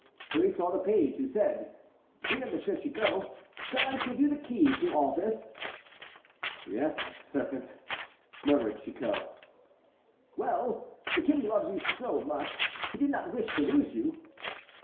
Here he saw the page, who said, "Dear M. Chicot, shall I give you the key to all this?" "Yes, serpent," murmured Chicot. "Well! the king loves you so much, he did not wish to lose you."